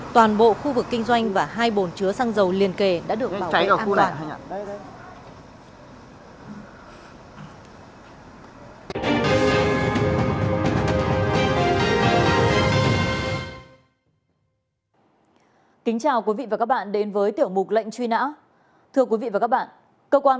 toàn bộ khu vực kinh doanh và hai bồn chứa xăng dầu liền kề đã được bảo vệ an toàn